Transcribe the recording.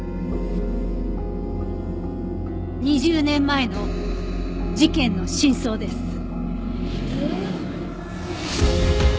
２０年前の事件の真相です。